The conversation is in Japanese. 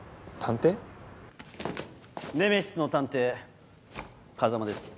ネメシスの探偵風真です。